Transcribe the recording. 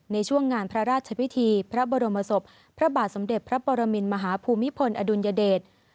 ในช่วงงานพระราชพิธีพระบรมศพพระบาทสมเด็จพระปรมินมหาภูมิพลอดุลยเดช